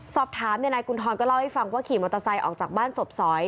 สอบถามนายกุณฑรก็เล่าให้ฟังว่าขี่มอเตอร์ไซค์ออกจากบ้านศพสอย